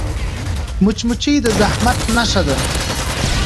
مچمچۍ د زحمت نښه ده